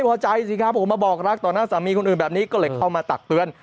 ผมมาบอกรักต่อหน้าสามีคนอื่นแบบนี้ก็เลยเข้ามาตักเตือน